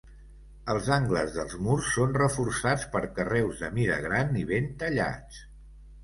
Els angles dels murs són reforçats per carreus de mida gran i ben tallats.